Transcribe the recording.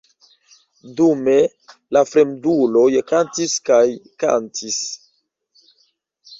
Dume, la fremduloj kantis kaj kantis.